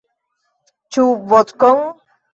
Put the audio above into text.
Ĉu vodkon?